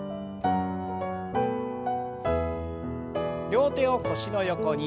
両手を腰の横に。